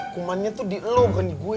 kumannya tuh di lo gani gue